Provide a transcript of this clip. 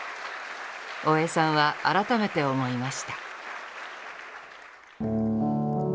大江さんは改めて思いました。